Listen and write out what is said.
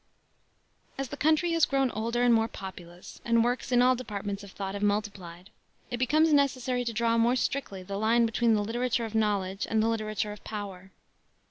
As the country has grown older and more populous, and works in all departments of thought have multiplied, it becomes necessary to draw more strictly the line between the literature of knowledge and the literature of power.